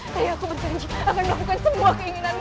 ray aku berjanji akan melakukan semua keinginanmu